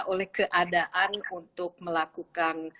oleh keadaan untuk melakukan